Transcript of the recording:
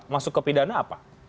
masuk ke pidana apa